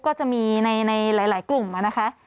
ก็จะมีในหลายกลุ่มนะคะ